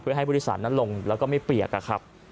เพื่อให้บริษัทนั้นลงแล้วก็ไม่เปียกครับ